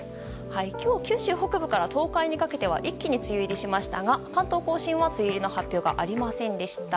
今日、九州北部から東海にかけて一気に梅雨入りしましたが関東・甲信は梅雨入りの発表がありませんでした。